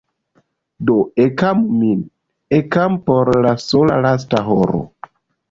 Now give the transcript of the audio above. Do ekamu min, ekamu por la sola lasta horo.